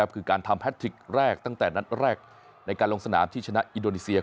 คือการทำแททิกแรกตั้งแต่นัดแรกในการลงสนามที่ชนะอินโดนีเซีย